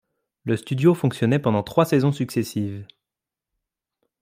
Le studio fonctionnait pendant trois saisons successives.